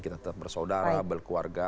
kita tetap bersaudara berkeluarga